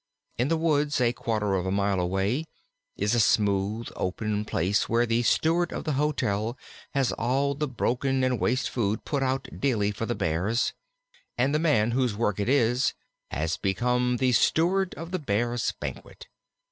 In the woods, a quarter of a mile away, is a smooth open place where the steward of the hotel has all the broken and waste food put out daily for the Bears, and the man whose work it is has become the Steward of the Bears' Banquet.